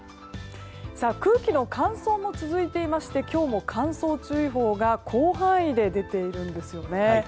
空気の乾燥も続いていまして今日も乾燥注意報が広範囲で出ているんです。